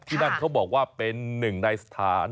นั่นเขาบอกว่าเป็นหนึ่งในสถาน